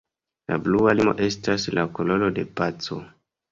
La blua limo estas la koloro de paco.